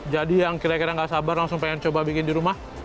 jadi yang kira kira nggak sabar langsung pengen coba bikin di rumah